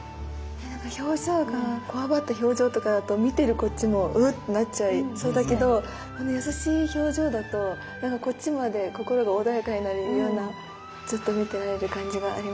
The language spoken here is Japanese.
表情がこわばった表情とかだと見てるこっちもうっなっちゃいそうだけどこの優しい表情だとこっちまで心が穏やかになるようなそうですよね。